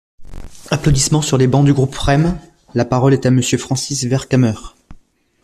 (Applaudissements sur les bancs du groupe REM.) La parole est à Monsieur Francis Vercamer.